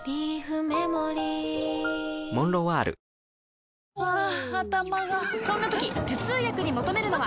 このピンチハァ頭がそんな時頭痛薬に求めるのは？